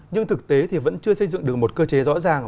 nhưng thực tế thì vẫn chưa xây dựng được một cơ chế rõ ràng